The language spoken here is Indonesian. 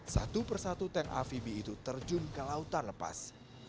satu persatu tank amfibi itu terjun ke lautan lepas